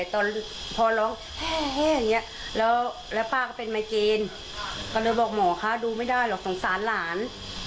ตอนพอร้องแห้อย่างนี้แล้วป้าก็เป็นไมเกณฑ์ก็เลยบอกหมอคะดูไม่ได้หรอกสงสารหลาน